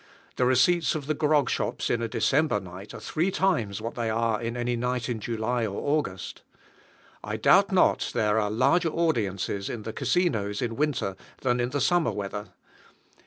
The receipts of the grog shops in a December night are three times what they are in any night in July or August. I doubt not there are larger audiences in the casinos in winter than in the summer weather.